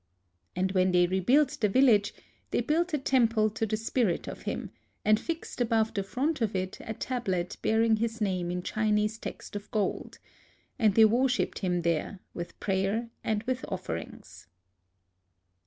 And when they rebuilt the village, they built a temple to the spirit of him, and fixed above the front of it a tab let bearing his name in Chinese text of gold ; and they worshiped him there, with prayer and with offerings.